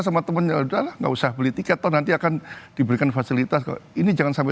sama temennya udahlah nggak usah beli tiket toh nanti akan diberikan fasilitas ini jangan sampai